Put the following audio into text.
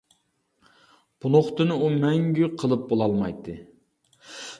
بۇ نۇقتىنى ئۇ مەڭگۈ قىلىپ بولالمايتتى.